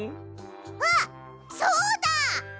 あっそうだ！